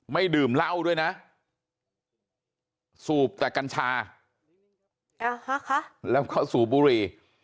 ดื่มเหล้าด้วยนะสูบแต่กัญชาแล้วก็สูบบุรี